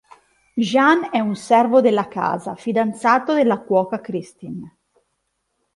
Jean è un servo della casa, fidanzato della cuoca Kristin.